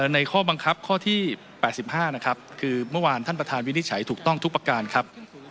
ในข้อบังคับข้อที่๘๕นะครับคือเมื่อวานท่านประธานวินิจฉัยถูกต้องทุกประการครับ